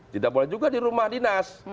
tidak boleh juga di rumah dinas